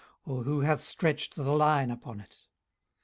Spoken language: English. or who hath stretched the line upon it?